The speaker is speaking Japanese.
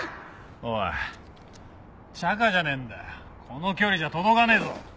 おいチャカじゃねえんだこの距離じゃ届かねえぞ。